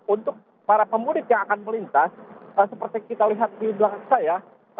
untuk para pemudik yang akan melintas seperti kita lihat di belakang saya